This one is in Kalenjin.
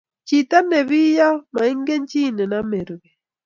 Chito nebiyo komaingen chi name ruba